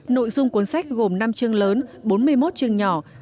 nội dung cuốn sách gồm năm chương lớn bốn mươi một chương nhỏ